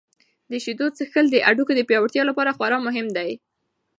د شیدو څښل د هډوکو د پیاوړتیا لپاره خورا مهم دي.